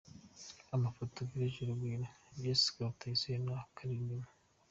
Amafoto: Village Urugwiro, Jessica Rutayisire na Karirima A.